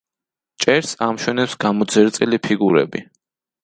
ჭერს ამშვენებს გამოძერწილი ფიგურები.